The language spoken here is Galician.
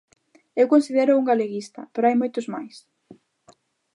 Eu considéroo un galeguista, pero hai moitos máis.